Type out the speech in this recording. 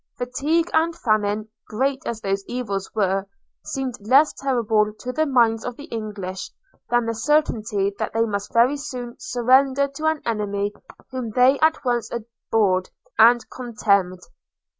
Fatigue and famine, great as those evils were, seemed less terrible to the minds of the English, than the certainty that they must very soon surrender to an enemy whom they at once abhorred and contemned.